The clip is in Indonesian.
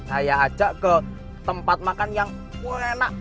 saya ajak ke tempat makan yang enak